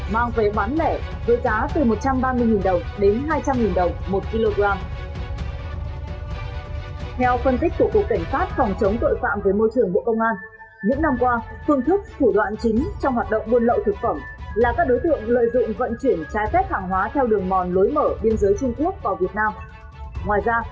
mang vé bán lẻ với giá từ một trăm ba mươi đồng đến hai trăm linh đồng một kg